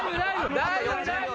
大丈夫！